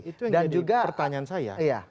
itu yang jadi pertanyaan saya